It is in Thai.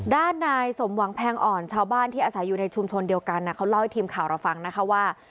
ด้านนายสมหวังแพงอ่อนชาวบ้านที่อาศัยอยู่ในชุมชนเดียวกันเขาเล่าให้ทีมข่าวเราฟังนะคะว่า